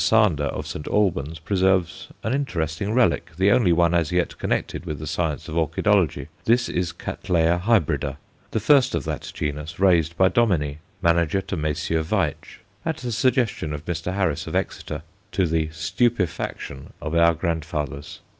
Sander of St. Albans preserves an interesting relic, the only one as yet connected with the science of orchidology. This is Cattleya hybrida, the first of that genus raised by Dominy, manager to Messrs. Veitch, at the suggestion of Mr. Harris of Exeter, to the stupefaction of our grandfathers.